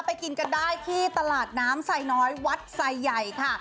กินกันได้ที่ตลาดน้ำไซน้อยวัดไซใหญ่ค่ะ